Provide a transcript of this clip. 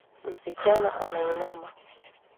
Msichana anainama